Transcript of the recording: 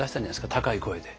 高い声で。